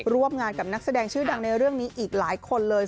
ร่วมงานกับนักแสดงชื่อดังในเรื่องนี้อีกหลายคนเลย